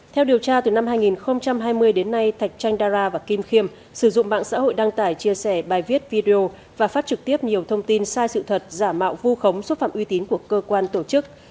theo điều tra từ năm hai nghìn hai mươi đến nay thạch chanh dara và kim khiêm sử dụng mạng xã hội đăng tải chia sẻ bài viết video và phát trực tiếp nhiều thông tin sai sự thật giả mạo vu khống xúc phạm uy tín của cơ quan tổ chức